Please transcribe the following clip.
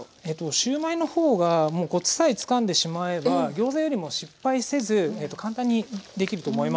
シューマイの方がもうコツさえつかんでしまえばギョーザよりも失敗せず簡単にできると思います。